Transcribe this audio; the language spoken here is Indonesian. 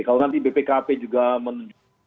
kalau nanti bpkp juga menunjukkan